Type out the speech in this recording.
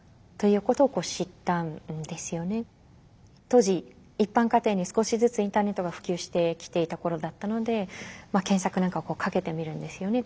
当時一般家庭に少しずつインターネットが普及してきていた頃だったので検索なんかをかけてみるんですよね。